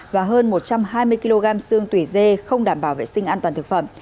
và hơn một trăm hai mươi kg xương tùy dê không đảm bảo vệ sinh an toàn thực phẩm